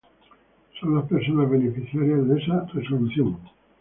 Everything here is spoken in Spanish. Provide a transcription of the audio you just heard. Son las personas beneficiarias de esa resolución.